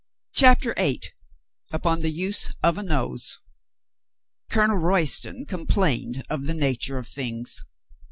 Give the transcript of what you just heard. CHAPTER EIGHT UPON THE USE OF A NOSE COLONEL ROYSTON complained of the nature of things.